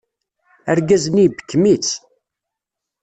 Argaz-nni ibekkem-itt.